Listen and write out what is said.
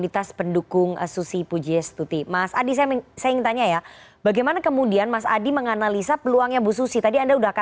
terima kasih pak